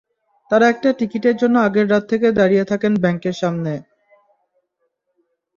তাঁরা একটা টিকিটের জন্য আগের রাত থেকে দাঁড়িয়ে থাকেন ব্যাংকের সামনে।